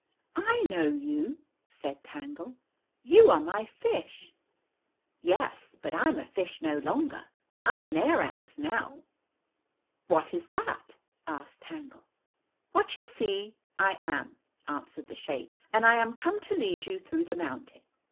"I know you," said Tangle. " You are my fish." " Yes. But I am a fish no longer. I am an aeranth now." " What is that ?" asked Tangle. The Golden Key ' \Vhat you see I am," answered the shape. " And I am come to lead you through the mountain."